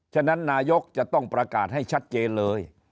ฉะนั้นนายกจะต้องประกาศให้ชัดเจนเลย